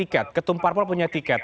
ketum parpol punya tiket